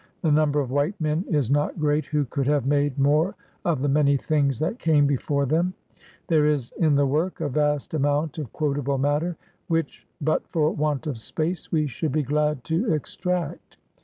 The number of white men is not great who could AN AMERICAN BONDMAN. 85 have made more of the many things that came before them. There is in the work a vast amount of quotable matter, which, but for want of space, vre should be glad to extract.